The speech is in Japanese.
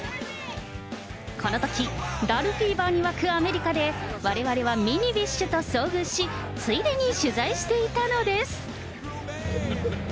このとき、ダルフィーバーに沸くアメリカで、われわれはミニビッシュと遭遇し、ついでに取材していたのです。